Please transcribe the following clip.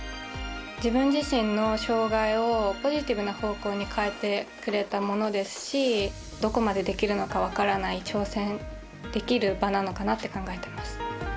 自分自身の障がいをポジティブな方向にかえてくれたものですしどこまでできるのかわからない挑戦できる場なのかなって考えてます。